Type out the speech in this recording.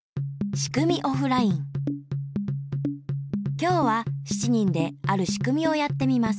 今日は７人であるしくみをやってみます。